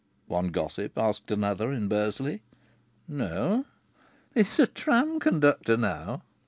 one gossip asked another in Bursley. "No." "He's a tram conductor now."